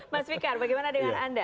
mas fikar bagaimana dengan anda